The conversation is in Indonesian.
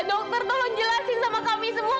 dokter tolong jelasin sama kami semua